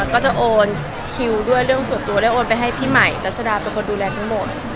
ก็จะโอนคิวด้วยเรื่องส่วนตัวได้โอนไปให้พี่ใหม่รัชดาเป็นคนดูแลทั้งหมด